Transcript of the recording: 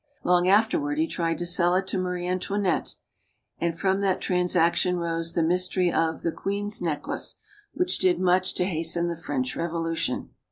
Long afterward he tried to sell it to Marie Antoinette. And from that transaction rose the mys tery of "The Queen's Necklace," which did much to hasten the French Revolution.